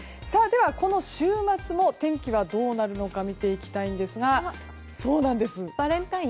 では、この週末の天気はどうなるのか見ていきたいんですが。